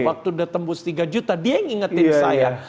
waktu udah tembus tiga juta dia yang ngingetin saya